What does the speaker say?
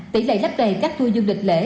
tỷ lệ lắp đầy các tour du lịch lễ